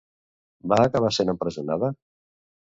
Va acabar sent empresonada?